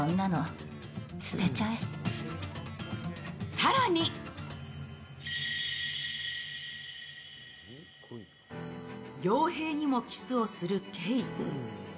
更に洋平にもキスをする慧。